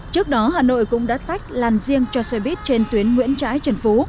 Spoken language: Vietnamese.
trước đó hà nội cũng đã tách làn riêng cho xe buýt trên tuyến nguyễn trãi trần phú